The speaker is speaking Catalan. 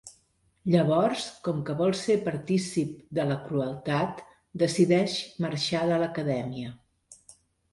Llavors, com que vol ser partícip de la crueltat, decideix marxar de l'acadèmia.